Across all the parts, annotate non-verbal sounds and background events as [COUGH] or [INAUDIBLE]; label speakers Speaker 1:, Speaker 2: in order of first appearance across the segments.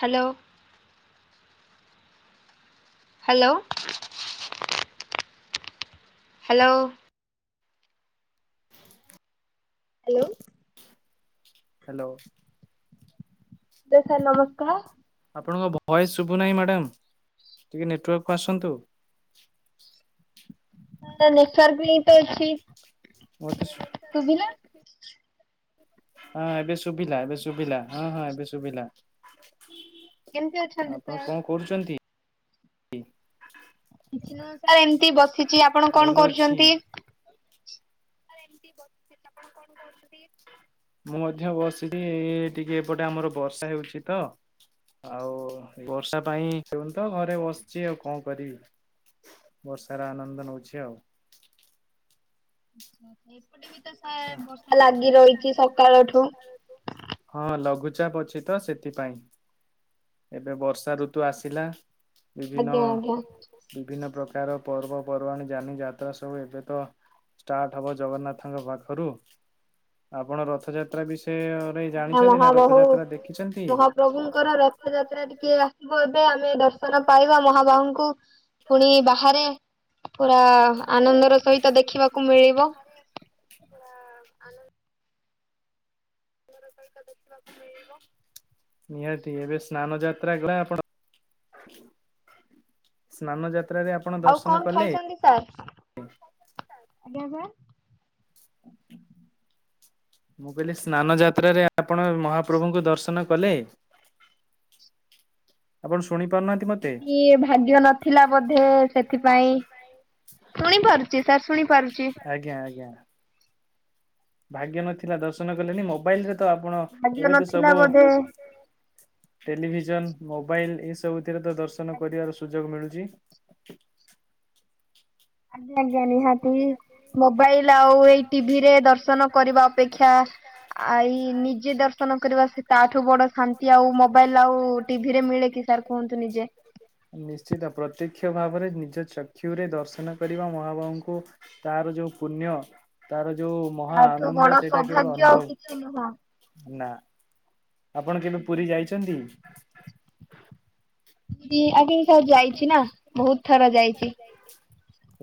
Speaker 1: Hello. Hello. Hello. Hello.
Speaker 2: Hello.
Speaker 1: Hello sir ନମସ୍କାର।
Speaker 2: ଆପଣଙ୍କ voice ଶୁଭୁ ନାହିଁ ମ୍ୟାଡ଼ାମ। ଟିକେ ନେଟୱାର୍କକୁ ଆସନ୍ତୁ।
Speaker 1: ନା ନେଟୱାର୍କ ବି ତ ଏଠି
Speaker 2: ମତେ ଶୁ
Speaker 1: ଶୁଭିଲା?
Speaker 2: ହଁ ଏବେ ଶୁଭିଲା, ଏବେ ଶୁଭିଲା, ହଁ ହଁ ଏବେ ଶୁଭିଲା।
Speaker 1: କେମତି ଅଛନ୍ତି ସାର୍?
Speaker 2: କରୁଛନ୍ତି?
Speaker 1: ନା ସାରେ ଏମିତି ବସିଛି। ଆପଣ କଣ କରୁଛନ୍ତି?
Speaker 2: ମୁଁ ଏମିତି ବସିଛି। ଆପଣ କଣ କରୁଛନ୍ତି? ମୁଁ ମଧ୍ୟ ବସିଛି। ଟିକେ ଏପଟେ ଆମର ବର୍ଷା ହେଉଛି ତ। ଆଉ ବର୍ଷା ପାଇଁ [UNINTELLIGIBLE] ତ ଘରେ ବସିଛି ଆଉ କଣ କରିବି? ବର୍ଷାର ଆନନ୍ଦ ନଉଛି ଆଉ।
Speaker 1: ଏପଟେ ବି ତ ସାର ବର୍ଷା ଲାଗି ରହିଛି ସକାଳଠୁ।
Speaker 2: ହଁ ଲଘୁଚାପ ଅଛି ତ ସେଥିପାଇଁ। ଏବେ ବର୍ଷା ଋତୁ ଆସିଲା। ବିଭିନ୍ନ ବିଭିନ୍ନ ପ୍ରକାର ପର୍ବ, ପର୍ବାଣି, ଜାନି, ଯାତ୍ରା ସବୁ ଏବେ ତ ଷ୍ଟାର୍ଟ ହବ ଜଗନ୍ନାଥଙ୍କ ପାଖରୁ। ଆପଣ ରଥଯାତ୍ରା ବିଷୟ ଜାଣିଛନ୍ତି ନା ରଥଯାତ୍ରା ଦେଖିଛନ୍ତି?
Speaker 1: ପ୍ରଭୁଙ୍କର ରଥଯାତ୍ରା ଟିକେ ଆସିବ ଏବେ। ଆମେ ଦର୍ଶନ ପାଇବା ମହାବାହୁଙ୍କୁ। ପୁଣି ବାହାରେ। ପୁରା ଆନନ୍ଦର ସହିତ ଦେଖିବାକୁ ମିଳିବ।
Speaker 2: ପୁର ଆନନ୍ଦ।
Speaker 1: [INAUDIBLE]
Speaker 2: ନିହାତି। ଏବେ ସ୍ନାନ ଯାତ୍ରା ଗଲା ଆପଣ ସ୍ନାନ ଯାତ୍ରାରେ ଆପ
Speaker 1: ଆଉ କଣ ଖାଇଛନ୍ତି ସାର୍? ଆଜ୍ଞା ସାର୍?
Speaker 2: ମୁଁ କହିଲି ସ୍ନାନ ଯାତ୍ରାରେ ଆପଣ ମହାପ୍ରଭୁଙ୍କୁ ଦର୍ଶନ କଲେ?
Speaker 1: [INAUDIBLE]
Speaker 2: ଆପଣ ଶଣିପାରୁନା
Speaker 1: ସିଏ ଭାଗ୍ୟନାଥ ଥିଲା ବୋଧେ ସେଥିପାଇଁ ଶୁଣି ପାରୁଛି ସାର୍ ଶୁଣିପାରୁଛି।
Speaker 2: ଆଜ୍ଞା ଆଜ୍ଞା। ଭାଗ୍ୟ ନଥିଲା ଦର୍ଶନ କଲେଣି ମୋବାଇଲରେ ତ ଆପଣ ଏବେ ତ ସବୁ ଟେଲିଭିଜନ ମୋବାଇଲ ଏଇ ସବୁଥିରେ ତ ଦର୍ଶନ କରିବାର ସୁଯୋଗ ମିଳୁଛି।
Speaker 1: ଆଜ୍ଞା ଆଜ୍ଞା ନିହା
Speaker 2: ନିହାତି ମୋବାଇଲ ଆଉ ଏ ଟିଭିରେ ଦର୍ଶନ କରିବା ଅପେକ୍ଷା
Speaker 1: ଆଇ ନିଜେ ଦର୍ଶନ କରିବା ସେ ତାଠୁ ବଡ ଶାନ୍ତି ଆଉ ମୋବାଇଲ ଆଉ ଟିଭି ରେ ମିଳେ କିି ସାର୍। କୁହନ୍ତୁ ନିଜେ।
Speaker 2: ନିଶ୍ଚିତ ପ୍ରତ୍ୟକ୍ଷ ଭାବରେ ନିଜ ଚକ୍ଷୁରେ ଦର୍ଶନ କରିବା ମହାବାବୁଙ୍କୁ ତାର ଯୋଉ ପୁଣ୍ୟ ତାର ଯୋଉ ମହା ଆନନ୍ଦ ସେଇଟା କେବଳ ଅନୁଭବ ନା ଆପଣ କେବେ ପୁରୀ ଯାଇଛନ୍ତି।
Speaker 1: ପୁରୀ ଆଗ ସ ଯାଇଛି ନା ବହୁତ ଥର ଯାଇଛି।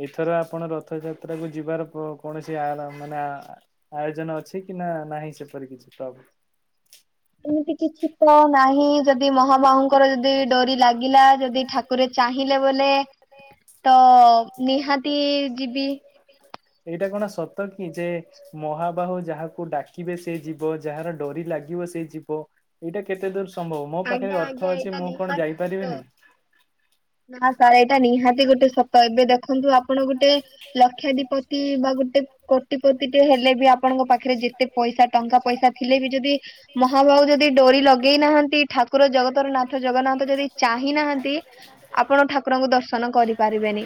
Speaker 2: ଏଇଥର ଆପଣ ରଥଯାତ୍ରା କୁ ଯିବାର କୌଣସି ମାନେ ଆୟୋଜନ ଅଛି କି ନା ନାହିଁ ସେପରି କିଛି ଖବ।
Speaker 1: ସେମିତି କିଛି ତ ନାହିଁ ଯଦି ମହାବାହୁଙ୍କର ଯଦି ଡରି ଲାଗିଲା ଯଦି ଠାକୁର ଚାହିଁଲେ ବୋଲେ ତ ନିହାତି ଯିବି।
Speaker 2: ଏଇଟା କଣ ସତ କି? ଯେ ମହାବାହୁ ଯାହାକୁ ଡାକିବେ ସେ ଯିବ, ଯାହାର ଡରି ଲାଗିବ ସେ ଯିବ। ଏଇଟା କେତେ ଦୂର ସମ୍ଭବ ମୋ ପାଖରେ ଅର୍ଥ ଅଛି, ମୁଁ କଣ ଯାଇପାରିବିନି?
Speaker 1: ନା ତାର ଏଇଟା ନିହାତି ଗୋଟେ ସତ ଏବେ ଦେଖନ୍ତୁ ଆପଣ ଗୋଟେ ଲକ୍ଷାଧିପତି ବା ଗୋଟେ କୋ ଟି ପତି ଟେ ହେଲେ ବି ଆପଣଙ୍କ ପାଖରେ ଯେତେ ପଇସା ଟଙ୍କା ପଇସା ଥିଲେ ବି ଯଦି ମହାବାହୁ ଯଦି ଡୋରି ଲଗେଇ ନାହାନ୍ତି ଠାକୁର ଜଗତର ନାଥ ଜଗନ୍ନାଥ ଯଦି ଚାହିଁନାହାନ୍ତି ଆପଣ କୁକୁରଙ୍କୁ ଦର୍ଶନ କରିପାରିବେନି।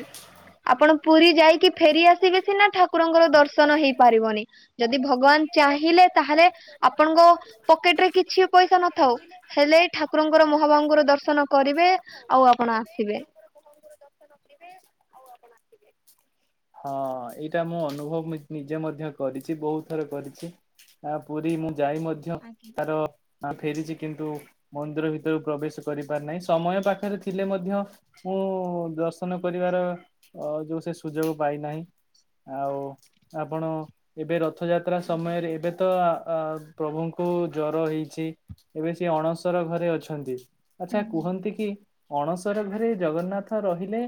Speaker 1: ଆପଣ ପୁରୀ ଯାଇକି ଫେରି ଆସିବେ ସିନା ଠାକୁରଙ୍କର ଦର୍ଶନ ହେଇପାରିବନି। ଯଦି ଭଗବାନ ଚାହିଁଲେ ତାହେଲେ ଆପଣଙ୍କ ପକେଟ ରେ କିଛି ପଇସା ନଥାଉ। ହେଲେ ଠାକୁରଙ୍କର ମହାବାବୁଙ୍କର ଦର୍ଶନ କରିବେ ଆଉ ଆପଣ ଆସିବେ। [INAUDIBLE]
Speaker 2: ହଁ, ଏଇଟା ମୁଁ ଅନୁଭବ ନିଜେ ମଧ୍ୟ କରିଛି ବହୁତ ଥର କରିଛି। ଆ ପୁରୀ ମୁଁ ଯାଇ ମଧ୍ୟ ତାର ନା ଫେରିଛି କିନ୍ତୁ ମନ୍ଦିର ଭିତରକୁ ପ୍ରବେଶ କରିପାରି ନାହିଁ। ସମୟ ପାଖରେ ଥିଲେ ମଧ୍ୟ ମୁଁ ଦର୍ଶନ କରିବାର ଯୋଉ ସେ ସୁଯୋଗ ପାଇନାହିଁ। ଆଉ ଆପଣ ଏବେ ରଥଯାତ୍ରା ସମୟରେ ଏବେ ତ ଅ ପ୍ରଭୁଙ୍କୁ ଜ୍ୱର ହେଇଛି। ଏବେ ସେ ଅଣସର ଘରେ ଅଛନ୍ତି। ଆଚ୍ଛା କୁହନ୍ତି କି ଅଣସର ଘରେ ଜଗନ୍ନାଥ ରହିଲେ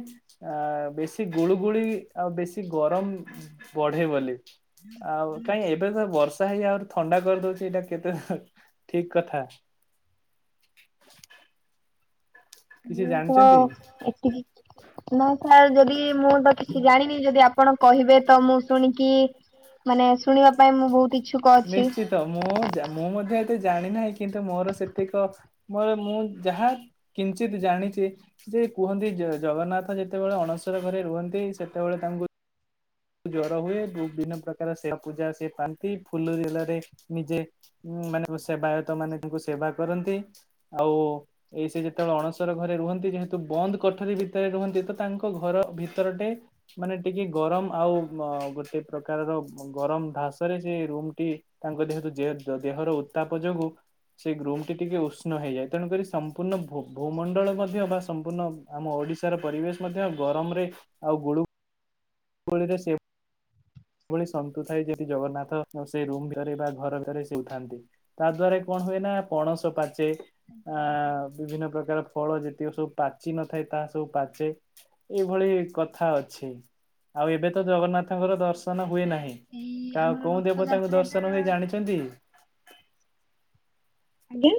Speaker 2: ଆ ବେଶୀ ଗୁଳୁଗୁଳି ଆଉ ବେଶୀ ଗରମ ବଢେ ବୋଲି। ଆଉ କାଇଁ ଏବେ ତ ବର୍ଷା ହେଇ ଆହୁରି ଥଣ୍ଡା କରିଦଉଛି। ଏଇଟା କେତେ ଠିକ କଥା
Speaker 1: ମୁଁ ତ ଏତିିକି ନା ସାର୍ ଯଦି ମୁଁ ତ କିଛି ଜାଣିନି ଯଦି ଆ ପଣ କହିବେ ତ ମୁଁ ଶୁଣିକି ମାନେ ଶୁଣିବା ପାଇଁ ମୁଁ ବହୁତ ଇଚ୍ଛୁକ ଅଛି।
Speaker 2: ତ ମୁଁ ମୁଁ ମଧ୍ୟ ଏତେ ଜାଣିନାହିଁ। କିନ୍ତୁ ମୋର ସେତିକ ମୋର ମୁଁ ଯାହା କିଞ୍ଚିତ୍ ଜାଣିଛି। ଯେ କୁହନ୍ତି ଜଗନ୍ନାଥ ଯେତେବେଳେ ଅଣସର ଘରେ ରୁହନ୍ତି। ସେତେବେଳେ ତାଙ୍କୁ ଜର ହୁଏ ବିଭିନ୍ନ ପ୍ରକାର ସେ ପୂଜା ସେ ପାଆନ୍ତି। ଫୁଲୁରୀ ତେଲରେ ନିଜେ ଉଁ ମାନେ ସେବାୟତ ମାନେ ତାଙ୍କୁ ସେବା କରନ୍ତି। ଆଉ ଏଇ ସେ ଯେତେବେଳେ ଅଣସର ଘରେ ରୁହନ୍ତି ଯେହେତୁ ବନ୍ଦ କଠରୀ ଭିତରେ ରୁହନ୍ତି। ତ ତାଙ୍କ ଘର ଭିତରଟେ ମାନେ ଟିକେ ଗରମ ଆଉ ଗୋଟେ ପ୍ରକାରର ଗରମ ଧାସରେ ସେ ରୁମ ଟି ତାଙ୍କ ଦେହତୁ ଦେହର ଉତ୍ତାପ ଯୋଗୁ ସେ ରୁମ୍ ଟି ଟିକେ ଉଷ୍ଣ ହେଇଯାଏ ତେଣୁକରି ସମ୍ପୂର୍ଣ ଭୂ ଭୂମଣ୍ଡଳ ମଧ୍ୟ ବା ସମ୍ପୂର୍ଣ୍ଣ ଆମ ଓଡିଶାର ପରିବେଶ ମଧ୍ୟ ଗରମ ରେ ଆଉ ଗୁଳୁ ଗୁଳୁ ଗୁଳି ରେ ସେ ଏଭଳି ସନ୍ତୁ ଥାଏ ଯଦି ଜଗନ୍ନାଥ ସେ ରୁମ ଦେହରେ ବା ଘର ଭିତରେ ସେିଉଥାନ୍ତି। ତା ଦ୍ଵାରା କଣ ହୁଏ ନା ପଣସ ପାଚେ ଆ ବିଭିନ୍ନ ପ୍ରକାର ଫଳ ଯେତିକି ସବୁ ପାଚି ନଥାଏ। ତାହା ସବୁ ପାଚେ ଏଇଭଳି କଥା ଅଛି। ଆଉ ଏବେ ତ ଜଗନ୍ନାଥଙ୍କର ଦର୍ଶ ହୁଏ ନାହିଁ। କା କୋଉ ଦେବତାଙ୍କୁ ଦର୍ଶନ ହୁଏ ଜାଣିଛନ୍ତି?
Speaker 1: ଆଜ୍ଞା।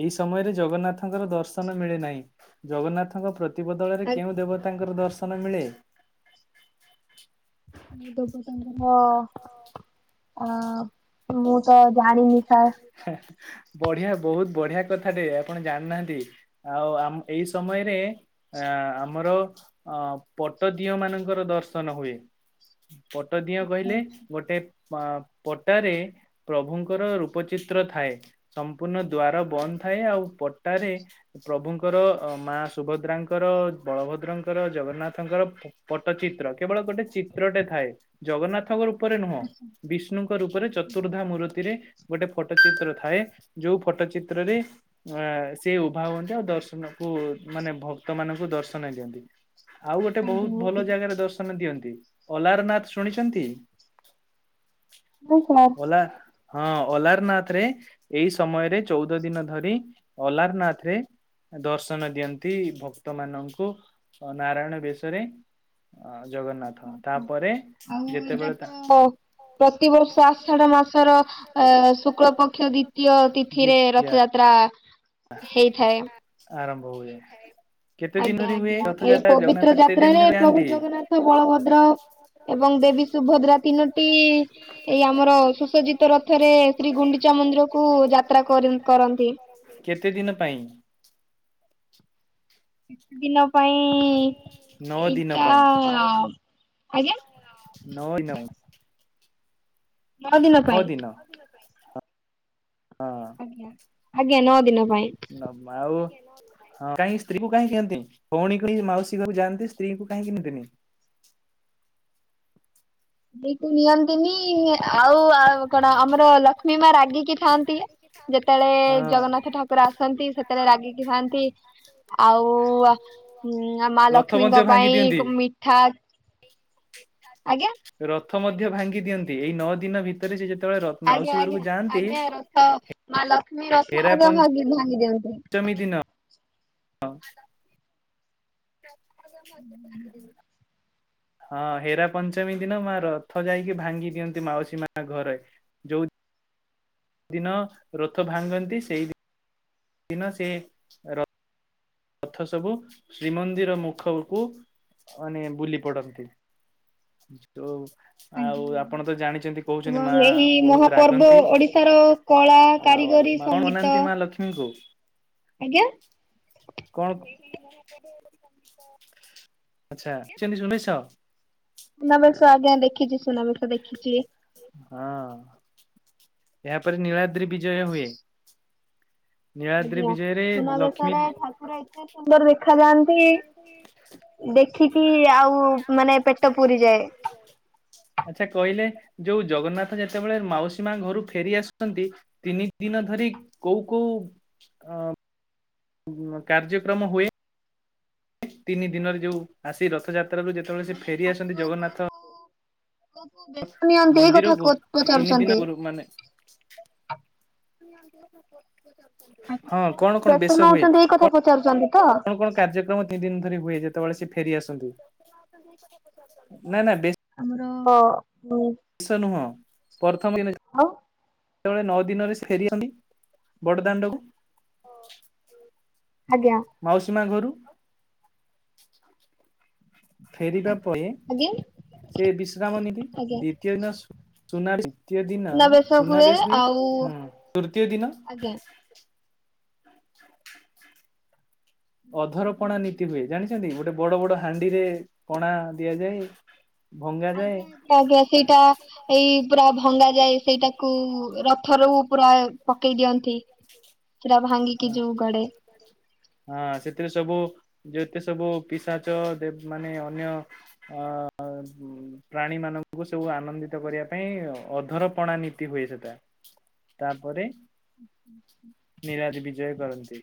Speaker 2: ଏହି ସମୟରେ ଜଗନ୍ନାଥଙ୍କର ଦର୍ଶନ ମିଳେ ନାହିଁ। ଜଗନ୍ନାଥଙ୍କ ପ୍ରତି ପ୍ରତି ବଦଳରେ କେଉଁ ଦେବତାଙ୍କର ଦର୍ଶନ ମିଳେ?
Speaker 1: ମୁଁ ତୋ କଉ ଦେବତାଙ୍କର ଅ ମୁଁ ତ ଜାଣିନି ସାର୍
Speaker 2: ହା ହା ବଢିଆ ବହୁତ ବଢିଆ କଥା ଟେ ଆପଣ ଜାଣିନାହାନ୍ତି। ଆଉ ଆମ ଏଇ ସମୟରେ ଆ ଆମର ଅ ପଟଦିଅ ମାନଙ୍କର ଦର୍ଶନ ହୁଏ। ପଟ ଦିଅ କହିଲେ ଗୋଟେ ପଟାରେ ପ୍ରଭୁଙ୍କ ଙ୍କର ରୂପଚିତ୍ର ଥାଏ ସମ୍ପୂର୍ଣ୍ଣ ଦ୍ଵାର ବନ୍ଦ ଥାଏ ଆଉ ପଟ୍ଟାରେ ପ୍ରଭୁଙ୍କର ମା ସୁଭଦ୍ରାଙ୍କର ବଳଭଦ୍ରଙ୍କର ଜଗନ୍ନାଥଙ୍କର ପଟ୍ଟଚିତ୍ର କେବଳ ଗୋଟେ ଚିତ୍ରଟେ ଥାଏ ଜଗନ୍ନାଥଙ୍କର ରୂପ ରେ ନୁହଁ ବିଷ୍ଣୁଙ୍କ ରୂପରେ ଚତୁର୍ଦ୍ଧା ମୂର୍ତ୍ତିରେ ଗୋଟେ ଫଟୋ ଚିତ୍ର ଥାଏ ଯୋଉ ଫଟୋ ଚିତ୍ରରେ ଅ ସେ ଉଭା ହୁଅନ୍ତି ଆଉ ଦର୍ଶନକୁ ମାନେ ଭକ୍ତ ମାନଙ୍କୁ ଦର୍ଶନ ଦିଅନ୍ତି। ଆଉ ଗୋଟେ ବହୁତ ଭଲ ଜାଗାରେ ଦର୍ଶନ ଦିଅନ୍ତି ଅଲାର ନାଥ ଶୁଣିଛନ୍ତି? ଅଲା ହଁ ଅଲାରନାଥ ରେ ଏଇ ସମୟରେ ଚଉଦ ଦିନ ଧରି ଅଲାରନାଥ ରେ ଦର୍ଶନ ଦିଅନ୍ତି ଭକ୍ତ ମାନଙ୍କୁ ନାରାୟଣ ବେଶରେ ନାଥ ତାପରେ
Speaker 1: ଆଉ ଏଇଟା ତ ପ୍ରତିବର୍ଷ ଆଷାଢ ମାସର ଅ ଶୁକ୍ଳ ପକ୍ଷ ଦ୍ଵିତୀୟ ତିଥିରେ ରଥଯାତ୍ରା।
Speaker 2: ଆରମ୍ଭ ହୁଏ। କେତେ ଦିନ ଧରି ହୁଏ ରଥଯାତ୍ରା ଜଗନ୍ନାଥ କେତେ ଦିନ ଧରି ଯାଆନ୍ତି। ଏବଂ ଦେଶୀ ଭଲ ରାତିିବତି ଏଇ ଆମର [UNINTELLIGIBLE]
Speaker 1: ରେ ଶ୍ରୀ ଗୁଣ୍ଡିଚା ମନ୍ଦିରକୁ ଯାତ୍ରା କର କରନ୍ତି।
Speaker 2: କେତେ ଦିନ ପାଇଁ?
Speaker 1: କେତେ ଦିନ ପାଇଁ ଏଇଟା ଆଜ୍ଞା।
Speaker 2: ନଇ ନଉ। ନ ଦିନ ହଁ ହଁ।
Speaker 1: ଆଜ୍ଞା ନଅ ଦିନ ପାଇଁ।
Speaker 2: ନମା ଆଉ ହ କାହିଁକ ସ୍ତ୍ରୀ କୁ କାହିଁକିନିଅନ୍ତିନି ଭଉଣୀ କୁ ମାଉସୀ ଘରେ ଯାଆନ୍ତି ସ୍ତ୍ରୀ କାଁହିକି ନିଅନ୍ତିନି
Speaker 1: ଏଇକୁ ନିଅନ୍ତିନି ଆଉଆ ଉ କଣ ଆମର ଲକ୍ଷ୍ମୀ ମା ରାଗିକି ଥାଆନ୍ତି ଯେତେବେଳେ ଜଗନ୍ନାଥ ଠାକୁର ଆସନ୍ତି ସେତେବେଳେ ରାଗିକି ଥାଆନ୍ତି ଆଉ ମା ଲକ୍ଷ୍ମୀଙ୍କ ପାଇଁ ମିଠା
Speaker 2: [INAUDIBLE]
Speaker 1: ଆଜ୍ଞା
Speaker 2: ରଥ ମଧ୍ୟ ଭାଙ୍ଗି ଦିଅନ୍ତି ଏଇ ନଅ ଦିନ ଭିତରେ ସେ ଯେତେବେଳେ ରଥ
Speaker 1: ଆଜ୍ଞା ଆଜ୍ଞା ଆଜ୍ଞା ରଥ ମା ଲକ୍ଷ୍ମୀ ରସ ମଧ ଭାଗି ଭାଙ୍ଗି ଦିଅନ୍ତି
Speaker 2: ଜମି ଦିନ ହଁ ମ [UNINTELLIGIBLE] ହଁ ହେରା ପଞ୍ଚମୀ ଦିନ ମା ରଥ ଯାଇକି ଭାଙ୍ଗି ଦିଅନ୍ତି ମାଉସୀ ମା ଘରେ ଯୋଉ ଦିନ ରଥ ଭାଙ୍ଗନ୍ତି ସେଇ ଦିନ ସେ ରଥ ସବୁ ଶ୍ରୀମନ୍ଦିର ମୁଖକୁ ମାନେ ବୁଲି ପଡନ୍ତି ଯୋ ଆଉ ଆପଣ ତ ଜାଣିଛନ୍ତି କହୁଛନ୍ତି ମା ବହୁତ ରାଗନ୍ତି
Speaker 1: କଳା କାରିଗରୀ ସଙ୍ଗୀତ
Speaker 2: ହଗୁ
Speaker 1: ଆଜ୍ଞା
Speaker 2: କଣ ଆଛା ଚିନିସୁନେଇଶ
Speaker 1: ନାବେଶ ଆଜ୍ଞା ଦେଖିଛି ସୁନାବେଶ ଦେଖିଛି
Speaker 2: ହଁ ଏହାପରେ ନୀଳାଦ୍ରି ବିଜୟ ହୁଏ ନୀଳାଦ୍ରି ବିଜୟରେ ଲକ୍ଷ୍ମୀ
Speaker 1: ପୁରା ଏତେ ସୁନ୍ଦର ଦେଖା ଯାଆନ୍ତି ଦେଖିକି ଆଉ ମାନେ ପେଟ ପୁରିଯାଏ
Speaker 2: ଆଚ୍ଛା କହିଲେ ଯୋଉ ଜଗନ୍ନାଥ ଯେତେବେଳେ ମାଉସୀ ମା ଘରୁ ଫେରି ଆସୁଛନ୍ତି ତିନି ଦିନ ଧରି କୋଉ କୋଉ ଅ କାର୍ଯ୍ୟକ୍ରମ ହୁଏ ତିନି ଦିନରେ ଯୋଉ ଆସି ରଥଯାତ୍ରା ର
Speaker 1: ମାନେ ଠାକୁର ଙ୍କୁ ନିଅନ୍ତି ଏ କଥା ପଚାରୁଛନ୍ତି
Speaker 2: ହଁ ହଁ କଣ କଣ ବେଶ ହୁଏ କଣ କଣ କଣ କାର୍ଯ୍ୟକ୍ରମ? ତିନି ଦିନ ଧରି ହୁଏ ଯେତେବେଳେ ସେ ଫେରି ଆସନ୍ତି ନ ନା ବେ
Speaker 1: ଆମର ଅ
Speaker 2: ଶ ନୁହଁ ପ୍ରଥମ କି ସେତେବେଳେ ନଅ ଦିନରେ ସେ ଫେରିଛନ୍ତି ବଡ ଦାଣ୍ଡକୁ
Speaker 1: ଆଜ୍ଞା
Speaker 2: ମାଉସୀ ମା ଘରୁ ଫେରିବା ପରେ ସେ ବିଶ୍ରାମ ନେବେ ଦ୍ଵିତୀୟ ଦିନ ସୁନାରି ତୀୟ ଦିନ ସୁନା ବେଶ ହୁଏ ହଁ ତୃତୀୟ ଦିନ [INAUDIBLE] ଅଧରପଣା ନୀତି ହୁଏ ଜାଣିଚନ୍ତି ଗୋଟେ ବଡ଼ ବଡ଼ ହାଣ୍ଡିରେ ପଣା ଦିଆଯାଏ।
Speaker 1: ଆଜ୍ଞା ଆଜ୍ଞା ଆଜ୍ଞା ସେଇଟା ଏଇ ପୁରା ଭଙ୍ଗାଯାଏ ସେଇଟାକୁ ରଥରୁ
Speaker 2: [UNINTELLIGIBLE]
Speaker 1: ସେରା ଭାଙ୍ଗିକି ଯୋଉ ଗଡ଼େ।
Speaker 2: ହଁ ସେଥିରେ ସବୁ ଯେତେ ସବୁ ପିସାଚ ଦେ ମାନେ ଅନ୍ୟ ଅ ଅଁ ପ୍ରାଣୀ ମାନଙ୍କୁ ସବୁ ଆନନ୍ଦିତ କରିବା ପାଇଁ ଅଧରପଣା ନୀତି ହୁଏ ସେଟା ତାପରେ ନିରାଦ ବିଜୟ କରନ୍ତି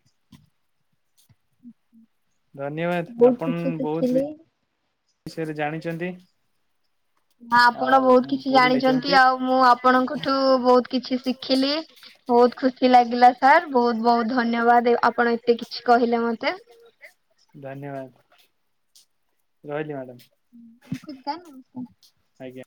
Speaker 2: ଧନ୍ୟବାଦ ଆପଣ ବହୁତ୍ ବିଷୟରେ ଜାଣିଚନ୍ତି।
Speaker 1: ଆ ଆପଣ ବହୁତ୍ କିଛି ଜାଣିଛନ୍ତି ଆଉ ମୁଁ ଆପଣଙ୍କ ଠୁ ବହୁତ୍ କିଛି ଶିଖିଲି ବହୁତ୍ ଖୁସି ଲାଗିଲା ସାର୍ ବହୁତ୍ ବହୁତ୍ ଧନ୍ୟବାଦ ଆପଣ ଏତେ କିଛି କହିଲେ ମତେ।
Speaker 2: ଧନ୍ୟବାଦ। ରହିଲି ମ୍ୟାଡ଼ାମ।
Speaker 1: ରଖୁଛି ସାର୍ ନମସ୍କାର।
Speaker 2: ଆଜ୍ଞା।